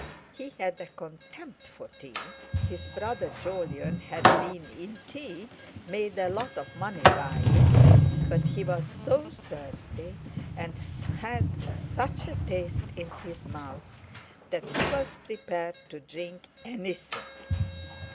He had a contempt for tea—his brother Jolyon had been in tea; made a lot of money by it—but he was so thirsty, and had such a taste in his mouth, that he was prepared to drink anything.